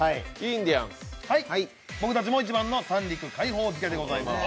僕たちも１番の三陸海宝漬でございます。